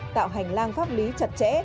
tạo hành lang pháp lý chặt chẽ